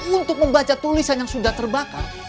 untuk membaca tulisan yang sudah terbakar